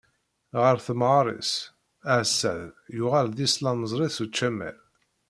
Ɣer temɣer-is, Ɛeṣṣad yuɣal d islamẓri s ucamar.